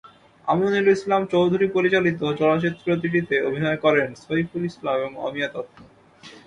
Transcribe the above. আমিনুল ইসলাম চৌধুরী পরিচালিত চলচ্চিত্রটিতে অভিনয় করেন সইফুল ইসলাম এবং অমিয়া দত্ত।